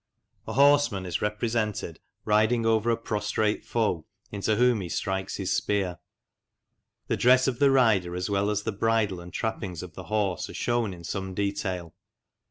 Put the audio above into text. A horseman is represented riding over a prostrate foe, into whom he strikes his spear. The dress of the rider, as well as the bridle and trappings of the horse, are shewn in some detail.